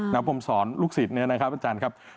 พรมสอนลูกศิษย์เนี่ยนะครับอาจารย์ครับ